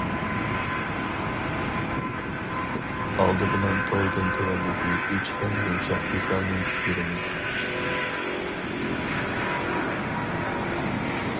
ئالدى بىلەن توردىن تۆۋەندىكى ئۈچ خىل يۇمشاق دېتالنى چۈشۈرىمىز.